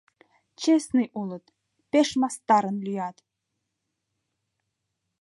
Честный улыт, пеш мастарын лӱят!